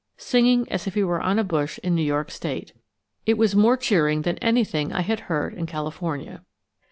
singing as if he were on a bush in New York state. It was more cheering than anything I had heard in California.